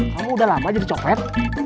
kamu udah lama jadi copet